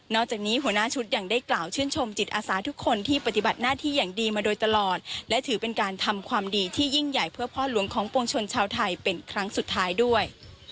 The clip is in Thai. จากนี้หัวหน้าชุดยังได้กล่าวชื่นชมจิตอาสาทุกคนที่ปฏิบัติหน้าที่อย่างดีมาโดยตลอดและถือเป็นการทำความดีที่ยิ่งใหญ่เพื่อพ่อหลวงของปวงชนชาวไทยเป็นครั้งสุดท้ายด้วย